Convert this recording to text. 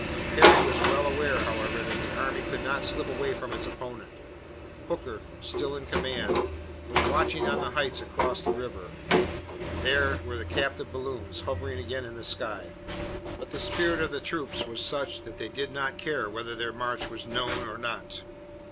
Harry was well aware, however, that the army could not slip away from its opponent. Hooker, still in command, was watching on the heights across the river, and there were the captive balloons hovering again in the sky. But the spirit of the troops was such that they did not care whether their march was known or not.